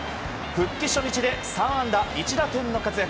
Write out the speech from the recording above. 復帰初日で３安打１打点の活躍。